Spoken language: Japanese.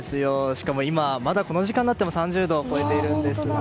しかも、まだこの時間になっても３０度を超えているんですね。